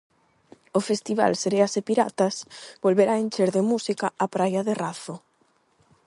O festival "Sereas e piratas" volverá encher de música a praia de Razo.